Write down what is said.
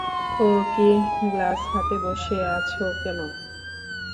ও কি, গ্লাস হাতে বসে আছ কেন?